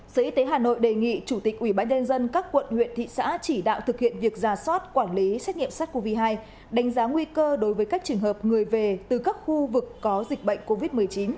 sở y tế hà nội đề nghị chủ tịch ủy ban nhân dân các quận huyện thị xã chỉ đạo thực hiện việc giả soát quản lý xét nghiệm sars cov hai đánh giá nguy cơ đối với các trường hợp người về từ các khu vực có dịch bệnh covid một mươi chín